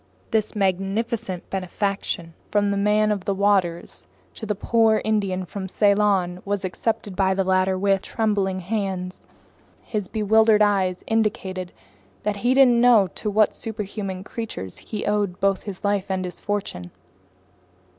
This magnificent benefaction from the Man of the Waters to the poor Indian from Ceylon was accepted by the latter with trembling hands. His bewildered eyes indicated that he didn't know to what superhuman creatures he owed both his life and his fortune.